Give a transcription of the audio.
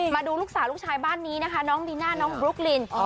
มาดูลูกสาวลูกชายบ้านนี้เรน่าน้องบรุกลิน